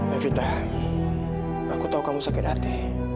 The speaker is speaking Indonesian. levita aku tahu kamu sakit hati